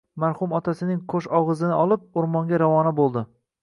Marhum otasining qoʻshogʻizini olib, oʻrmonga ravona boʻldi.